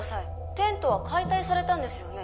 テントは解体されたんですよね？